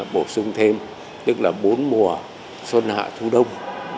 bổ sung thêm tức là bốn mùa xuân hạ thu đông